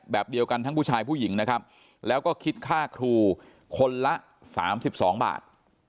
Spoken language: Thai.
แบบเดียวกันทั้งผู้ชายผู้หญิงนะครับแล้วก็คิดค่าครูคนละ๓๒บาท